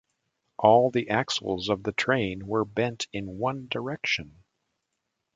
All the axles of the train were bent in one direction.